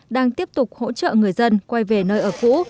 đang tiếp tục hỗ trợ người dân quay về nơi ở cũ